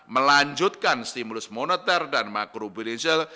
melanjutkan stimulus moneter dan makrobirizal